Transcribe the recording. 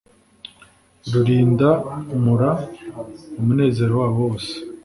Ririndamura umunezero wabo wose